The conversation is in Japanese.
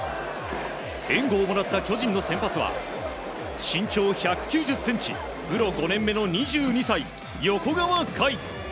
援護をもらった巨人の先発は身長１９０ｃｍプロ５年目の２２歳、横川凱。